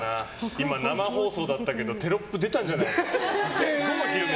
生放送だけどテロップ出たんじゃない？